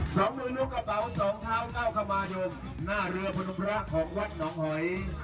สองมือลูกกระเป๋าสองเท้าก้าวเข้ามายมหน้าเรือพนมพระของวัดหนองหอย